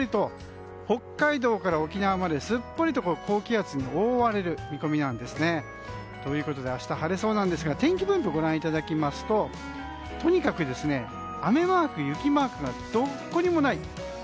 北海道から沖縄まですっぽりと高気圧に覆われる見込みなんですね。ということで、明日は晴れそうなんですが天気分布をご覧いただきますととにかく雨マーク、雪マークがどこにもない。